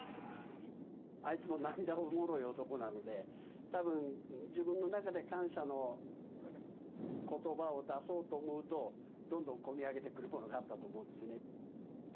あいつも涙もろい男なので、たぶん、自分の中で感謝のことばを出そうと思うと、どんどん込み上げてくるものがあったと思うんですよね。